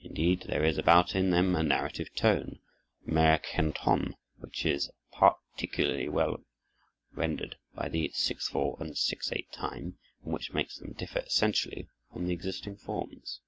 Indeed, there is about them a narrative tone (Märchenton) which is particularly well rendered by the six four and six eight time, and which makes them differ essentially from the existing forms."